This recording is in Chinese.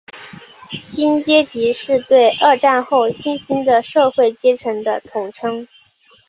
新阶级是对二战后新兴的社会阶层的统称。